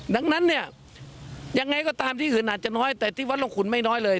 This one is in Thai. ดังนั้นเนี่ยยังไงก็ตามที่อื่นอาจจะน้อยแต่ที่วัดลงขุนไม่น้อยเลย